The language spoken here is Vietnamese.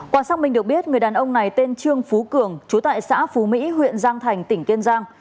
quả xác minh được biết người đàn ông này tên trương phú cường chú tại xã phú mỹ huyện giang thành tỉnh kiên giang